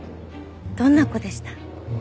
どんな子でした？